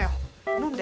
飲んで。